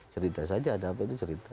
cerita saja ada apa itu cerita